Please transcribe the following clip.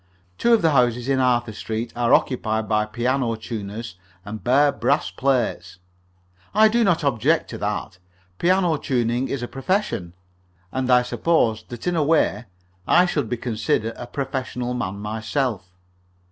Two of the houses in Arthur Street are occupied by piano tuners, and bear brass plates. I do not object to that. Piano tuning is a profession, and I suppose that, in a way, I should be considered a professional man myself.